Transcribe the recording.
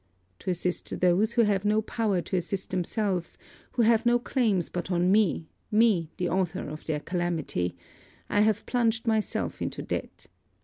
To assist those who have no power to assist themselves, who have no claims but on me, me the author of their calamity, I have plunged myself into debt.